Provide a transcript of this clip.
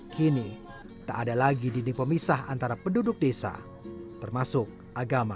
kini tak ada lagi dinding pemisah antara penduduk desa termasuk agama